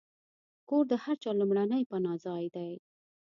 کور د هر چا لومړنی پناهځای دی.